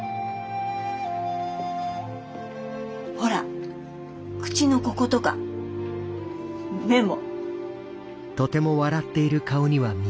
ほら口のこことか目も。